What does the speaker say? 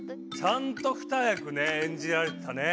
ちゃんと二役ね演じられてたね。